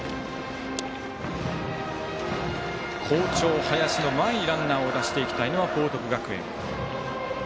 好調、林の前にランナーを出していきたいのは報徳学園。